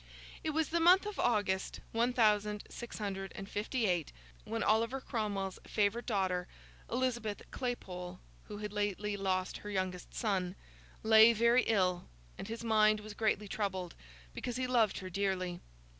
It was the month of August, one thousand six hundred and fifty eight, when Oliver Cromwell's favourite daughter, Elizabeth Claypole (who had lately lost her youngest son), lay very ill, and his mind was greatly troubled, because he loved her dearly.